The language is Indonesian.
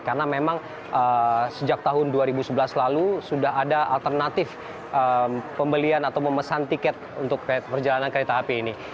karena memang sejak tahun dua ribu sebelas lalu sudah ada alternatif pembelian atau memesan tiket untuk perjalanan kereta api ini